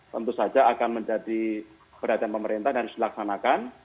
tentu saja akan menjadi perhatian pemerintah dan harus dilaksanakan